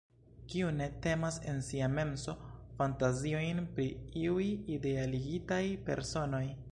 Kiu ne tenas en sia menso fantaziojn pri iuj idealigitaj personoj?